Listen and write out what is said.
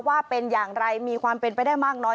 ว่าเป็นอย่างไรมีความเป็นไปได้มากน้อย